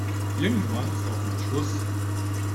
Irgendwann ist auch mal Schluss.